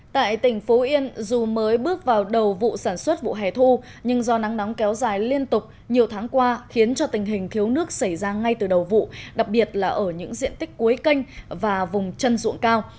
tại tỉnh phú yên dù mới bước vào đầu vụ sản xuất vụ hè thu nhưng do nắng nóng kéo dài liên tục nhiều tháng qua khiến cho tình hình thiếu nước xảy ra ngay từ đầu vụ đặc biệt là ở những diện tích cuối canh và vùng chân ruộng cao